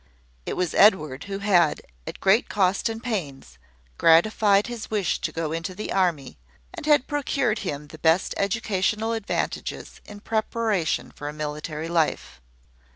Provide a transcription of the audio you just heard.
It was Edward who had, at great cost and pains, gratified his wish to go into the army, and had procured him the best educational advantages in preparation for a military life.